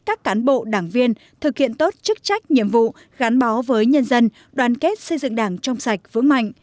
các cán bộ đảng viên thực hiện tốt chức trách nhiệm vụ gắn bó với nhân dân đoàn kết xây dựng đảng trong sạch vững mạnh